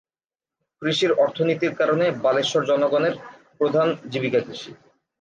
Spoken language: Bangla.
কৃষির অর্থনীতির কারণে, বালেশ্বর জনগণের প্রধান জীবিকা কৃষি।